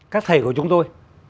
các thầy của chúng tôi